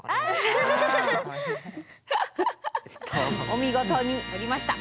お見事に取りました。